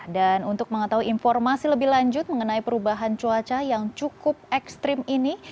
untuk mengetahui informasi lebih lanjut mengenai perubahan cuaca yang cukup ekstrim ini